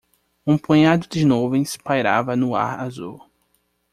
Um punhado de nuvens pairava no ar azul.